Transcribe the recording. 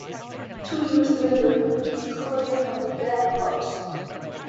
Two years later he became colonel of the Black Horse.